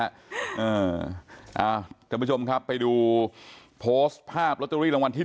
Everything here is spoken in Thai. ท่านผู้ชมครับไปดูโพสต์ภาพลอตเตอรี่รางวัลที่๑